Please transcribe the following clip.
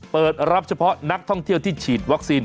เปิดรับเฉพาะนักท่องเที่ยวที่ฉีดวัคซีน